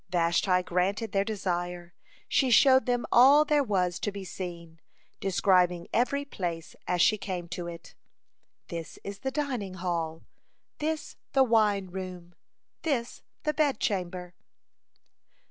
Vashti gratified their desire. She showed them all there was to be seen, describing every place as she came to it: This is the dining hall, this the wine room, this the bed chamber.